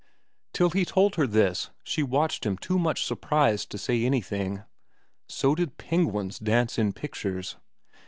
Till he told her this she watched him too much surprised to say anything. So did penguins dance in pictures.